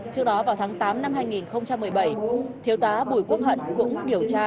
trước đó vào tháng tám năm hai nghìn một mươi bảy thiếu tá bùi quốc hận cũng điều tra